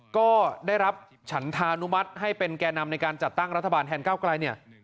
ก็ได้รับฉันธานุมัติให้เป็นแก่นำในการจัดตั้งรัฐบาลแทนก้าวไกลเนี่ย